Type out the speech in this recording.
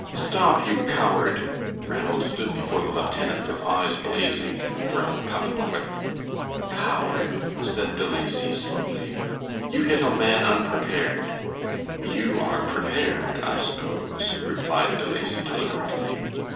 "Stop! you coward!" Ranald stood before the lieutenant with eyes blazing and breath coming quick. "Coward?" said De Lacy, slowly. "You hit a man unprepared." "You are prepared, I suppose," replied De Lacy, deliberately.